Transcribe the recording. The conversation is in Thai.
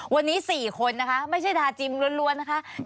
วันนี้๔คนนะคะไม่ใช่ทาจิมล้วนนะคะ